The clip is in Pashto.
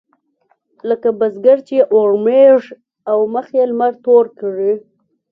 لکه بزګر چې اورمېږ او مخ يې لمر تور کړي.